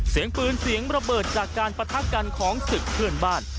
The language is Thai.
เสียงปืนเสียงระเบิดจากการปะทะกันของศึกเพื่อนบ้าน